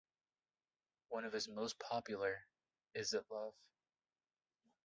One of his most popular - Is It Love?